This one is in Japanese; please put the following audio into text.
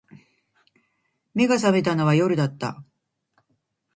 眼が覚めたのは夜だった